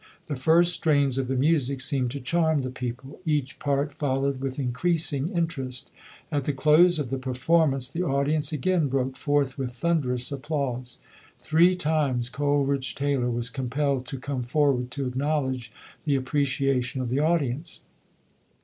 The first strains of the music seemed to charm the people. Each part followed with increasing in terest. At the close of the performance, the audi ence again broke forth with thunderous applause. Three times Coleridge Taylor was compelled to come forward to acknowledge the appreciation of the audience.